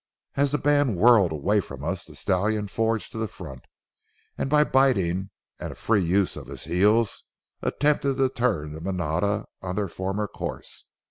As the band whirled away from us the stallion forged to the front and, by biting and a free use of his heels, attempted to turn the manada on their former course.